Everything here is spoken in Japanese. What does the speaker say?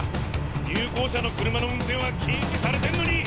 入校者の車の運転は禁止されてんのに。